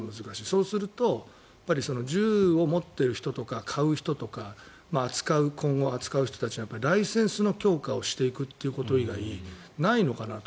そうすると銃を持っている人とか買う人とか今後、扱う人たちなんかライセンスの強化をしていくということ以外ないのかなと。